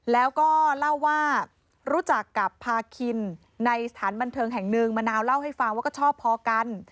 แล้วก็เล่าว่ารู้จักกับพาคินในสถานบันเทิงแห่งหนึ่งมะนาวเล่าให้ฟังว่าก็ชอบพอกัน